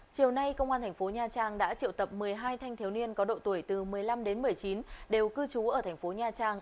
chiều nay công an thành phố nha trang đã triệu tập một mươi hai thanh thiếu niên có độ tuổi từ một mươi năm đến một mươi chín đều cư trú ở thành phố nha trang